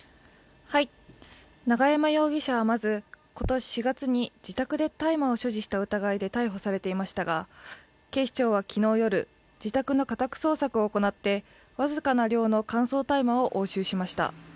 永山容疑者はまず、今年４月に自宅で大麻を所持した疑いで逮捕されていましたが、警視庁は昨日夜、自宅の家宅捜索を行って僅かな量の乾燥大麻を押収しました。